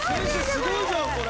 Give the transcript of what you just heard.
すごいじゃんこれ。